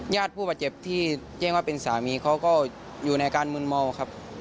ญาติผู้บาดเจ็บที่แจ้งว่าเป็นสามีเขาก็อยู่ในอาการมืนเมาครับ